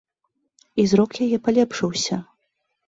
І зрок яе палепшыўся.